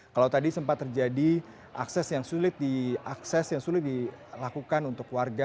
kalau tadi sempat terjadi akses yang sulit dilakukan untuk warga